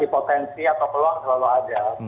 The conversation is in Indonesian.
potensi atau peluang selalu ada